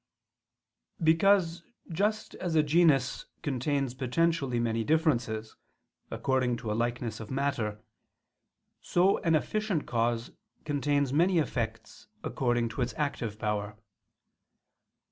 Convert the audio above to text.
Because just as a genus contains potentially many differences, according to a likeness of matter; so an efficient cause contains many effects according to its active power.